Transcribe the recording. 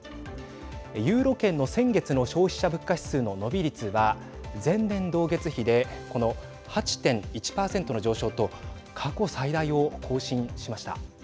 ユーロ圏の先月の消費者物価指数の伸び率は前年同月比でこの８．１％の上昇と過去最大を更新しました。